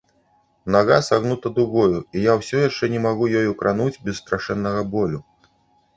Нага сагнута дугою, і я ўсё яшчэ не магу ёю крануць без страшэннага болю.